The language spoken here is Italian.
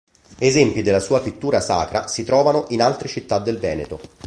Esempi della sua pittura sacra si trovano in altre città del Veneto.